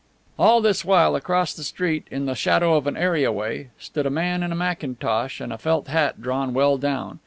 All this while, across the street, in the shadow of an areaway, stood a man in a mackintosh and a felt hat drawn well down.